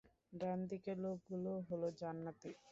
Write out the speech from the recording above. ডান দিকের লোকগুলো হলো জান্নাতী।